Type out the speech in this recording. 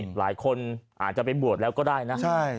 หลายคนอาจจะไปบวชแล้วก็ได้นะ